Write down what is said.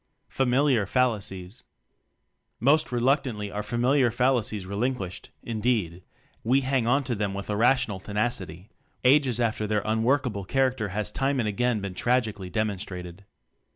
Familiar Fallacies. Most reluctantly are familiar fal acies relinquished, indeed, we hang on to them with irrational tenacity ages after their unworkable character has time and again been tragically demonstrated.